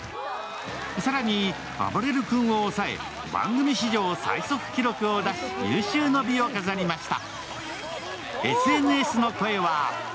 更にあばれる君を抑え番組史上最速記録を出し有終の美を飾りました。